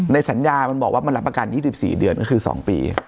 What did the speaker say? ในสัญญามันบอกว่ามันรับประกัน๒๔เดือนก็คือ๒ปี